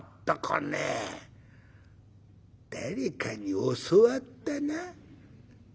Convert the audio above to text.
誰かに教わったな。